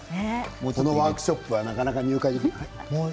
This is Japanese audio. このワークショップはなかなか入会は。